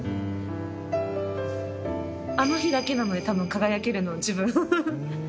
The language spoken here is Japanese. あの日だけなので多分輝けるのは自分。